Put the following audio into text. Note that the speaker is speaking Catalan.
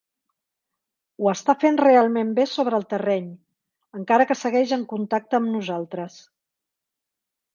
Ho està fent realment bé sobre el terreny, encara que segueix en contacte amb nosaltres.